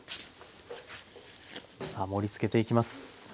さあ盛りつけていきます。